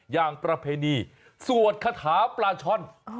ประเพณีสวดคาถาปลาช่อน